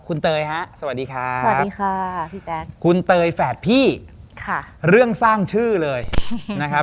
คุณเตยฮะสวัสดีครับคุณเตยแฝดพี่เรื่องสร้างชื่อเลยนะครับ